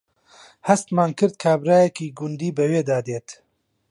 هەستمان کرد کابرایەکی گوندی بەوێدا دێت